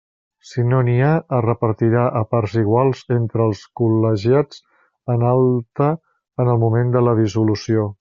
Si no n'hi ha, es repartirà a parts iguals entre els col·legiats en alta en el moment de la dissolució.